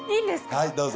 はいどうぞ。